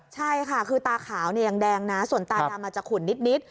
ใช่ค่ะคือตาขาวเนี่ยยังแดงนะส่วนตาดำอาจจะขุนนิด